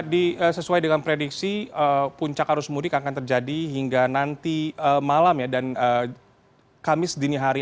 direksi puncak arus mudik akan terjadi hingga nanti malam ya dan kamis dini hari